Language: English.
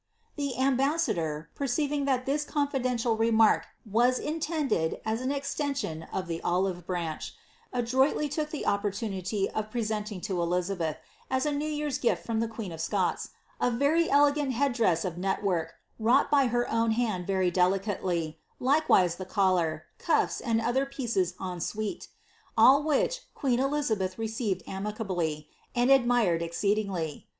The ambassador, perceiving thai this confidential remark was inte as an extension of ihe olive branch, adroitly look the opporiunil presenting lo Elizabeth, as a new year's gifi from the queen of Sec very elegant head~dres8 of nel work, wrought by her own hand vcr licately, likewise the collar, cufis, and other little pieces en suile which queen Elizabeth received amiably, and admired esccedtngly.